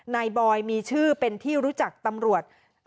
บอยมีชื่อเป็นที่รู้จักตำรวจ